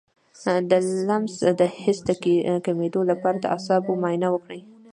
د لمس د حس د کمیدو لپاره د اعصابو معاینه وکړئ